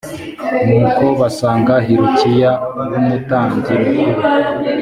nuko basanga hilukiya w umutambyi mukuru